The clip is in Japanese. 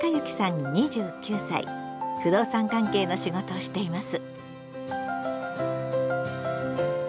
不動産関係の仕事をしています。